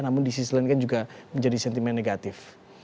namun di sisi lain kan juga menjadi sentimen negatif